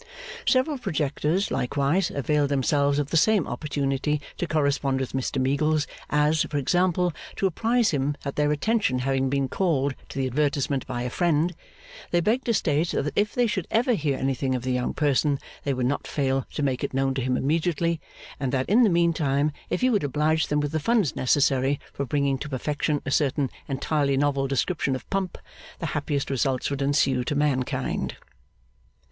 Several projectors, likewise, availed themselves of the same opportunity to correspond with Mr Meagles; as, for example, to apprise him that their attention having been called to the advertisement by a friend, they begged to state that if they should ever hear anything of the young person, they would not fail to make it known to him immediately, and that in the meantime if he would oblige them with the funds necessary for bringing to perfection a certain entirely novel description of Pump, the happiest results would ensue to mankind.